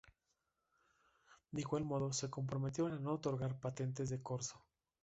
De igual modo, se comprometieron a no otorgar patentes de corso.